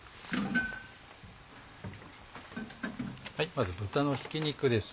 まず豚のひき肉です